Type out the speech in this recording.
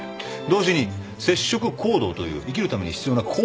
同時に摂食行動という生きるために必要な行為でもある。